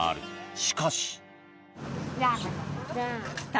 しかし。